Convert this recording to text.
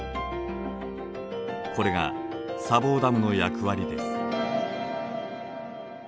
これが砂防ダムの役割です。